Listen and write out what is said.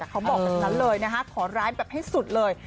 เขาบอกแบบนั้นเลยนะคะขอร้ายแบบให้สุดเลย